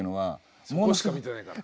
そこしか見てないから。